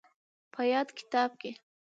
په ياد کتاب کې